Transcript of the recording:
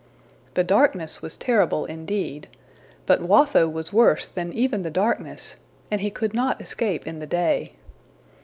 The darkness was terrible indeed, but Watho was worse than even the darkness, and he could not escape in the day.